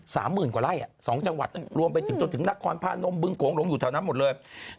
สามหมื่นกว่าไร่สองจังหวัดรวมไปจึงจนถึงนักความพ่านมบึงโขงลงอยู่แถวนั้นหมดเลย